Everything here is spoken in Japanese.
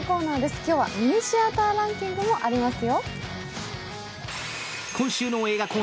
今日はミニシアターランキングもありますよ。